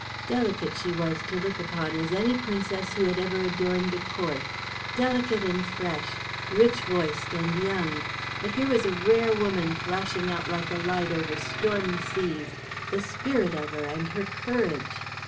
Delicate she was to look upon as any princess who had ever adorned a court, delicate and fresh, rich voiced and young, but here was the rare woman flashing out like a light over stormy seas, the spirit of her and her courage!